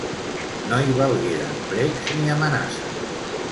No hi valgueren precs ni amenaces.